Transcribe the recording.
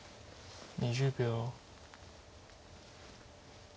２０秒。